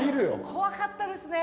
怖かったですね！